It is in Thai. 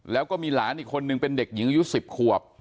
แล้วก็มีหลานอีกคนนึงเป็นเด็กหญิงอายุ๑๐ขวบ